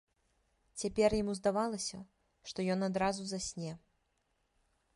Цяпер яму здавалася, што ён адразу засне.